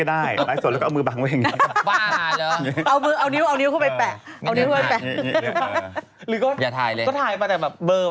ก็ถ่ายมาแต่เบอร์ถ่ายเบอร์ไม่เห็นแล้วแต่ได้